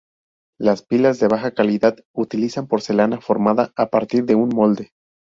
Las pipas de baja calidad utilizan porcelana formada a partir de un molde.